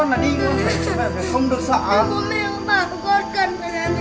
con không hoàn thành